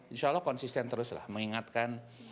insya allah konsisten terus lah mengingatkan